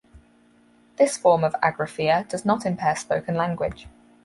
This form of agraphia does not impair spoken language.